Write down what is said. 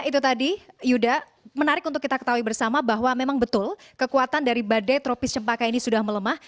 itu tadi yuda menarik untuk kita ketahui bersama bahwa memang betul kekuatan dari badai tropis cempaka ini sudah melemah